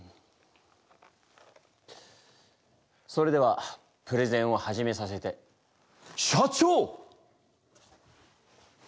それではプレゼンを始めさせて社長！